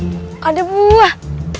wih ada buah